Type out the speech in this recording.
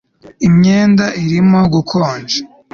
imyenda irimo gukonja